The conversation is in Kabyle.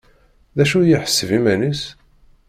D acu i yeḥseb iman-is?